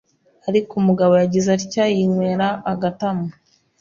ariko umugabo yagize atya yinywera agatama,